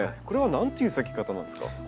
これは何という咲き方なんですか？